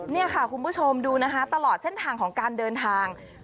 นี่ค่ะคุณผู้ชมดูนะคะตลอดเส้นทางของการเดินทาง